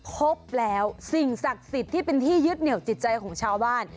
พบแล้วสิ่งศักดิ์สิทธิ์ที่เป็นที่ยึดเหนียวจิตใจของชาวบ้าน